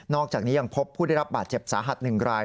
อกจากนี้ยังพบผู้ได้รับบาดเจ็บสาหัส๑ราย